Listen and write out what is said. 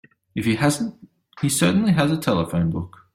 If he hasn't he certainly has a telephone book.